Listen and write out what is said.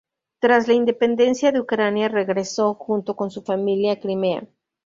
Tras la independencia de Ucrania regresó junto con su familia a Crimea.